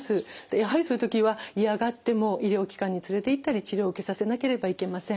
やはりそういう時は嫌がっても医療機関に連れていったり治療を受けさせなければいけません。